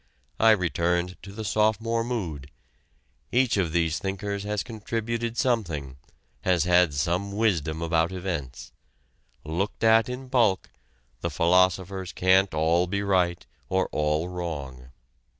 I returned to the sophomore mood: "Each of these thinkers has contributed something, has had some wisdom about events. Looked at in bulk the philosophers can't all be right or all wrong."